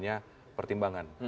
ini adalah pertimbangan